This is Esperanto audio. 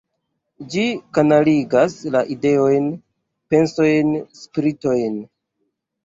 Ĝi kanaligas la ideojn, pensojn, spiritojn.